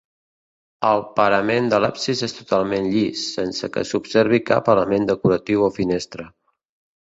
El parament de l'absis és totalment llis, sense que s'observi cap element decoratiu o finestra.